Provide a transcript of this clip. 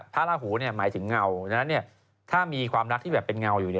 พระราหูหมายถึงเงาฉะนั้นถ้ามีความรักที่เป็นเงาอยู่